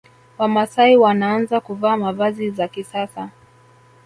Wamasai wanaanza kuvaa mavazi za kisasa